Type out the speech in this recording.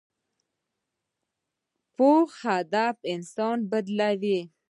پوخ هدف انسان بدلوي